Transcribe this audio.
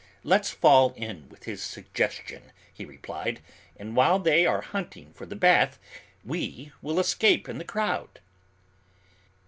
"Let's fall in with his suggestion," he replied, "and while they are hunting for the bath we will escape in the crowd."